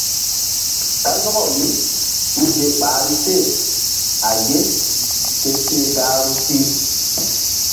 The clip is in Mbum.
Kandɔkaw mísuhze ɓahri se a ye ke ti̧h gahru si.